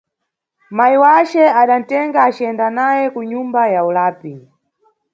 Mayi wace adanʼtenga aciyenda naye kunyumba ya ulapi.